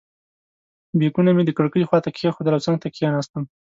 بیکونه مې د کړکۍ خواته کېښودل او څنګ ته کېناستم.